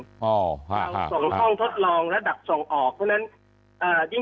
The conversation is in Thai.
เราส่งช่องทดลองระดับส่งออกเพราะฉะนั้น